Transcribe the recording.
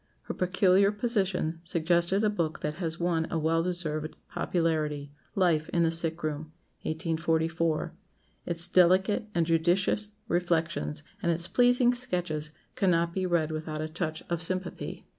Her peculiar position suggested a book that has won a well deserved popularity "Life in the Sick room" (1844). Its delicate and judicious reflections, and its pleasing sketches, cannot be read without a touch of sympathy.